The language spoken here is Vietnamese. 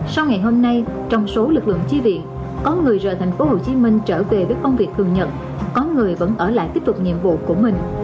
sau ngày hôm nay trong số lực lượng chi viện có người rời thành phố hồ chí minh trở về với công việc thường nhận có người vẫn ở lại tiếp tục nhiệm vụ của mình